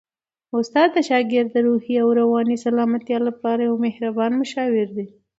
استاد د شاګرد د روحي او رواني سلامتیا لپاره یو مهربان مشاور دی.